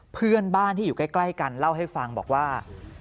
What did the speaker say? เพื่อนบ้านที่อยู่ใกล้กันเล่าให้ฟังบอกว่า